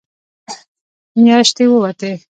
مياشتې ووتې.